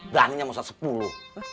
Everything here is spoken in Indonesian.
ga aneh sama ustaz sepuluh